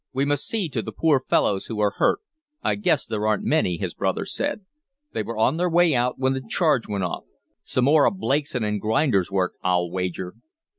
"We must see to the poor fellows who are hurt." "I guess there aren't many," his brother said. "They were on their way out when the charge went off. Some more of Blakeson & Grinder's work, I'll wager!"